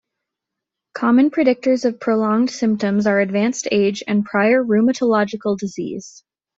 Common predictors of prolonged symptoms are advanced age and prior rheumatological disease.